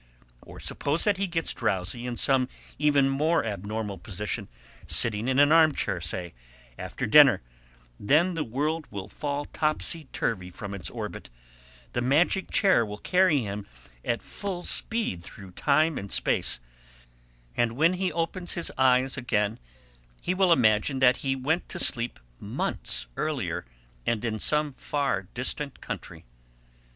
Or suppose that he gets drowsy in some even more abnormal position; sitting in an armchair, say, after dinner: then the world will fall topsy turvy from its orbit, the magic chair will carry him at full speed through time and space, and when he opens his eyes again he will imagine that he went to sleep months earlier and in some far distant country.